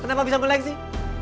kenapa bisa mulai sih